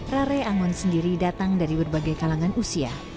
rare angon sendiri datang dari berbagai kalangan usia